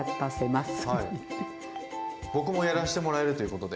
僕もやらしてもらえるということで。